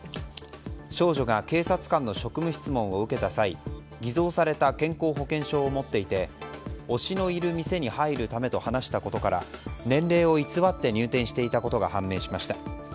少女が警察官の職務質問を受けた際偽造された健康保険証を持っていて推しのいる店に入るためと話したことから年齢を偽って入店していたことが判明しました。